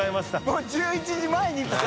もう１１時前に来て。